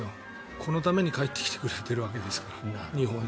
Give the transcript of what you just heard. このために日本に帰ってきてくれているわけですから。